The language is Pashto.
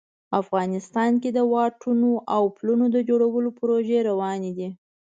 افغانستان کې د واټونو او پلونو د جوړولو پروژې روانې دي